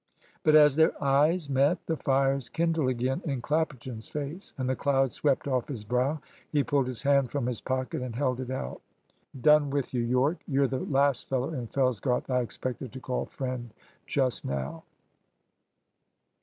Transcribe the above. But as their eyes met the fires kindled again in Clapperton's face, and the cloud swept off his brow. He pulled his hand from his pocket and held it out. "Done with you, Yorke. You're the last fellow in Fellsgarth I expected to call friend just now."